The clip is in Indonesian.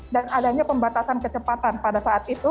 dan adanya pembatasan kecepatan pada saat itu